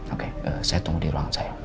oke saya tunggu di ruang saya